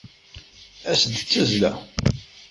As-d d tazzla!